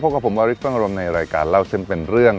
กับผมวาริสฟังอารมณ์ในรายการเล่าเส้นเป็นเรื่อง